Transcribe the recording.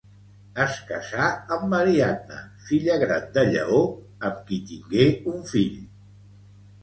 Es casà amb Ariadna, filla gran de Lleó, amb qui tingué un fill.